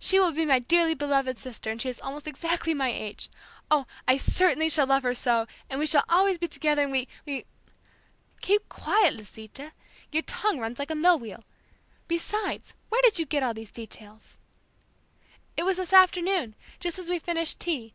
She will be my dearly beloved sister and she is almost exactly my age. Oh, I certainly shall love her so, and we shall always be together and we, we...." "Keep quiet, Lisita. Your tongue runs like a mill wheel. Besides, where did you get all these details?" "It was this afternoon, just as we finished tea.